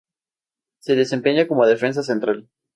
Se desempeña como defensa central.